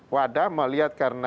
wada melihat karena